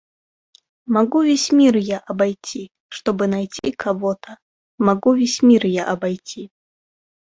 Могу весь мир я обойти, Чтобы найти кого-то Могу весь мир я обойти.